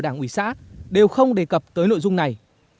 đảng ủy xã đều không đề cập tới nội dung này